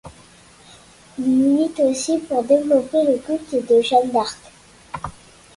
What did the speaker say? Il milite aussi pour développer le culte de Jeanne d'Arc.